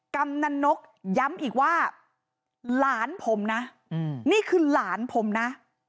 กำนันนกย้ำอีกว่าหลานผมนะนี่คือหลานผมนะ